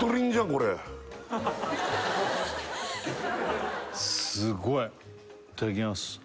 これすごいいただきます